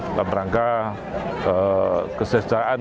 dalam rangka kesesaraan